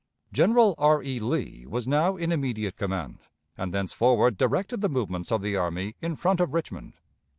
General R. E. Lee was now in immediate command, and thenceforward directed the movements of the army in front of Richmond.